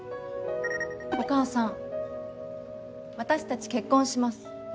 お母さん私たち結婚します。